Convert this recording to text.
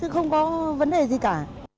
không có vấn đề gì cả